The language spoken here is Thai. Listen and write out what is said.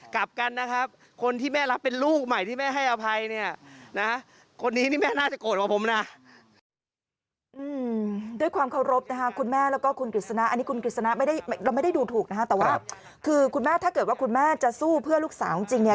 กลับกันนะครับคนที่แม่รับเป็นลูกใหม่ที่แม่ให้อภัย